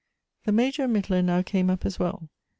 The Major and Mittler now came up as well.